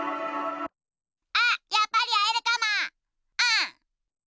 あっやっぱり会えるかもうん！